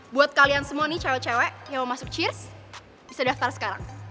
buat kalian semua nih cewek cewek yang mau masuk cheers bisa daftar sekarang